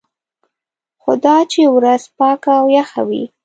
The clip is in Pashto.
خو دا چې ورځ پاکه او یخه وي.